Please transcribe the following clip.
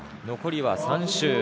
残りは３周。